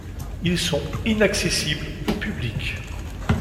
Ils sont inaccessibles au public.